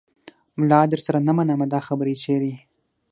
ملا درسره نه منمه دا خبره چیرې